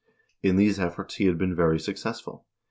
In these efforts he had been very successful.